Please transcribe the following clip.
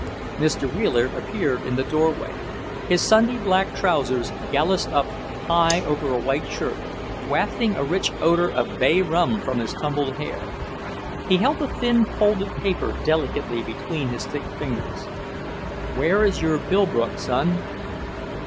Mr. Wheeler appeared in the doorway, his Sunday black trousers gallowsed up high over a white shirt, wafting a rich odor of bayrum from his tumbled hair. He held a thin folded paper delicately between his thick fingers. "Where is your bill book, son?"